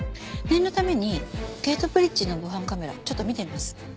念のためにゲートブリッジの防犯カメラちょっと見てみます。